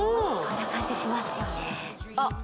そんな感じしますよね